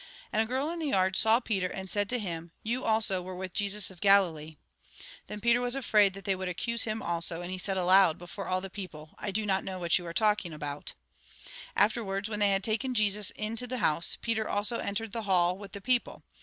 And a girl in the yard saw Peter, and said to him :" You, also, were with Jesus of Galilee." Then Peter was afraid that they would accuse him also, and he said aloud before all the people :" I do not know what you are talking about." 148 THE GOSPEL IN BRIEF Afterwards, when they had taken Jesus into the house, Peter also entered the hall, with the people.